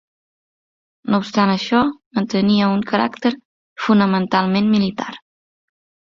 No obstant això, mantenia un caràcter fonamentalment militar.